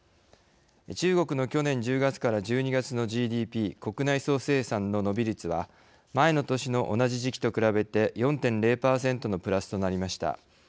中国の去年１０月から１２月のＧＤＰ国内総生産の伸び率は前の年の同じ時期と比べて４．０％のプラスとなりました。